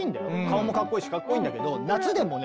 顔もかっこいいしかっこいいんだけど夏？